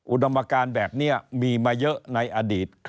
อุดมการแบบนี้มีมาเยอะในอดีต